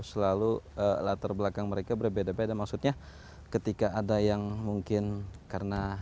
selalu latar belakang mereka berbeda beda maksudnya ketika ada yang mungkin karena